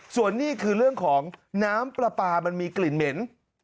ส่วนนี้คือเรื่องของน้ำปลาปลามันมีกลิ่นเหม็น